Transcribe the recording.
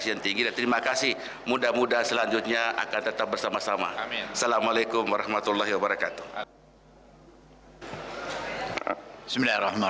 ini menandakan bahwa sesuatu yang bisa dipertemukan oleh kementerian agama